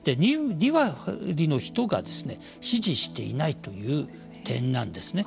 ２割の人が支持していないという点なんですね。